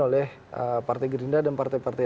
oleh partai gerindra dan partai partai